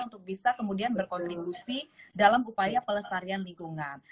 untuk bisa kemudian berkontribusi dalam upaya pelestarian lingkungan